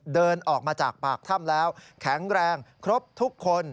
เดินออกมาจากปากถ้ำแล้วแข็งแรงครบทุกคน